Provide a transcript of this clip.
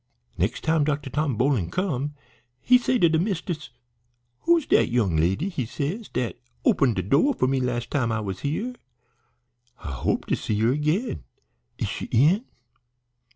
"Nex' time Dr. Tom Boling come he say to de mist'ess, 'Who's dat young lady,' he says, 'dat opened de door for me las' time I was here? I hoped to see her agin. Is she in?'